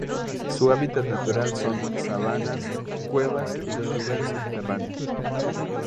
Su hábitat natural son: sabanas, cuevas, y los lugares subterráneos.